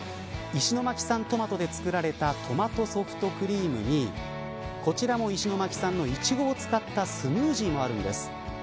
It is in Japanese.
石巻産トマトで作られたトマトソフトクリームにこちらも石巻産のいちごを使ったスムージーもあるんです。